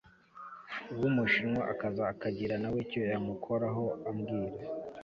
wumushinwa akaza akagira nawe icyo yamukoraho ambwira